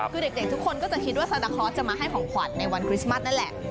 คือเด็กทุกคนก็จะคิดว่าซาตาคลอสจะมาให้ของขวัญในวันคริสต์มัสนั่นแหละ